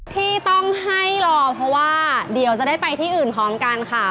ที่ต้องให้รอเพราะว่าเดี๋ยวจะได้ไปที่อื่นพร้อมกันค่ะ